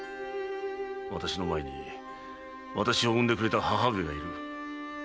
私の前に私を産んでくれた母上がいる